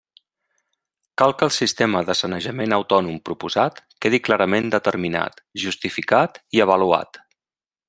Cal que el sistema de sanejament autònom proposat quedi clarament determinat, justificat i avaluat.